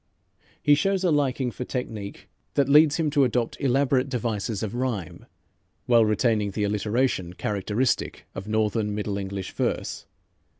He shows a liking for technique that leads him to adopt elaborate devices of rhyme, while retaining the alliteration characteristic of Northern Middle English verse.